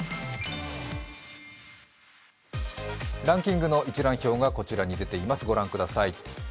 ランキングの一覧表がこちらに出ています、御覧ください。